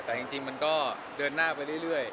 แต่จริงมันก็เดินหน้าไปเรื่อย